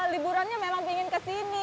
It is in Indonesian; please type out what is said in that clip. liburannya memang ingin ke sini